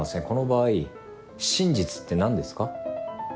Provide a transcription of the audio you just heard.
この場合真実って何ですか？